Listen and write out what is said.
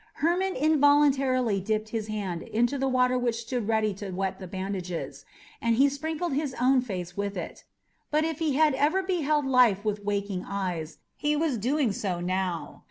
Hermon involuntarily dipped his hand into the water which stood ready to wet the bandages, and sprinkled his own face with it; but if he had ever beheld life with waking eyes, he was doing so now.